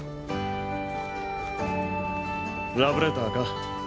ラブレターか？